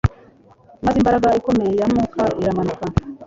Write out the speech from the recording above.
maze imbaraga ikomeye ya Mwuka iramanuka